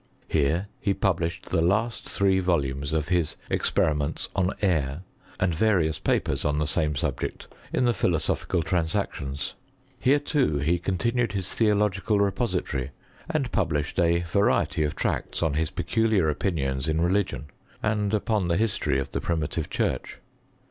Here he published the three last volumes of hi» Experiments on Air, and various papers on the same subject in the Philosophical Transactions, Here, too, he continued his Theological Repository, and published a variety of tracts on his peculiar opinions ill religion, and upou the history of thfl primitive church.